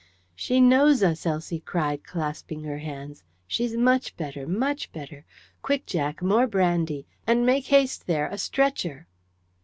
"She knows us!" Elsie cried, clasping her hands. "She's much better much better. Quick, Jack, more brandy! And make haste there a stretcher!"